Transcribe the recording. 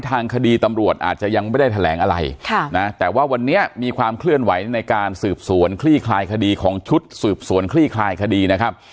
ทางคดีตำรวจอาจจะยังไม่ได้แถลงอะไรค่ะนะแต่ว่าวันนี้มีความเคลื่อนไหวในการสืบสวนคลี่คลายคดีของชุดสืบสวนคลี่คลายคดีนะครับ